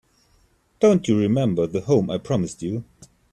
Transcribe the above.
Don't you remember the home I promised you?